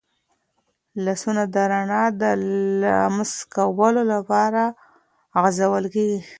لاسونه د رڼا د لمس کولو لپاره غځول کېږي.